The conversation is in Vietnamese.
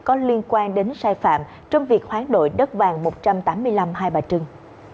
có liên quan đến sai phạm trong việc hoán đổi đất vàng một trăm tám mươi năm hai bà trưng